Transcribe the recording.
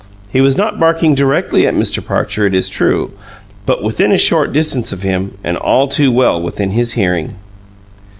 He was not barking directly at Mr. Parcher, it is true, but within a short distance of him and all too well within his hearing.